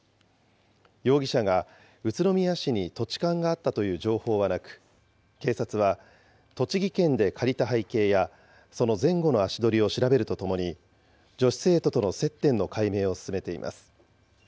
容疑者が宇都宮市に土地勘があったという情報はなく、警察は栃木県で借りた背景や、その前後の足取りを調べるとともに、女子生徒との接点の解明を進めています。